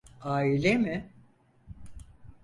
Aile mi?